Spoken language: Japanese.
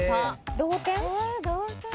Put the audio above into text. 同点？